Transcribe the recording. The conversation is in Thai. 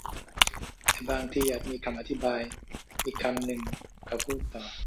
แต่บางทีอาจมีคำอธิบายอีกคำหนึ่งเขาพูดต่อ